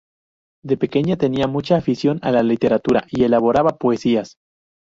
De pequeña tenía mucha afición a la literatura y elaboraba poesías.